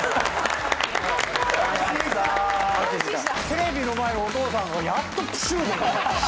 テレビの前のお父さんがやっとプシュッ。